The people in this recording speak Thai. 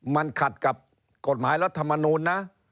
มันขัดกับกฎหมายรัฐมนูลนะ